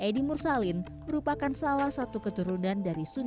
di pulau jawa